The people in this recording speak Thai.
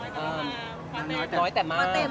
คมขอบคุณค่ะไม่ได้ดูอีกได้